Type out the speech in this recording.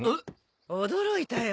驚いたよ